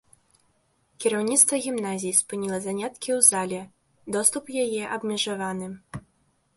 Кіраўніцтва гімназіі спыніла заняткі ў зале, доступ у яе абмежаваны.